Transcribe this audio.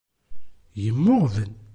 Yemmuɣben.